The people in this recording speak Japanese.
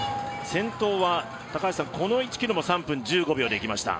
先頭はこの１ｋｍも３分１５秒でいきました。